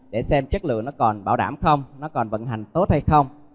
để xem chất lượng nó còn bảo đảm không nó còn vận hành tốt hay không